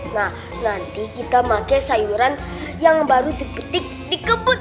nah nanti kita pake sayuran yang baru dipetik di kebut